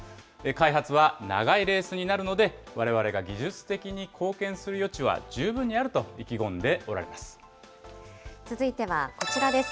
開発は長いレースになるので、われわれが技術的に貢献する余地は十分にあると意気込んでおられま続いてはこちらです。